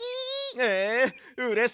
ええうれしいよ！